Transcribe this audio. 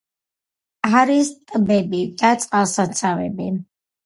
არის ტბები და წყალსაცავები.